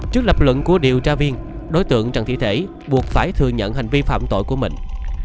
trước lập luận của điều tra viên đối tượng trần thị thể buộc phải thừa nhận hành vi phạm tội của mình